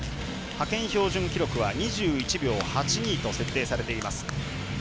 派遣標準記録は２１秒８２と設定されています。